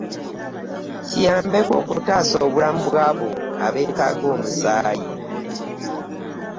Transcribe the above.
Kiyambeko okutaasa obulamu bwabo abeetaaga omusaayi